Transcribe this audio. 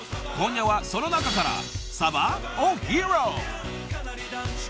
［今夜はその中から］